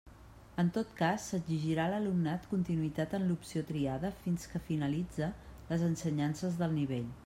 En tot cas, s'exigirà a l'alumnat continuïtat en l'opció triada fins que finalitze les ensenyances del nivell.